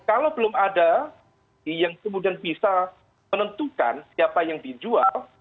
kalau belum ada yang kemudian bisa menentukan siapa yang dijual